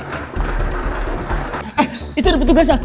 eh itu ada petugasnya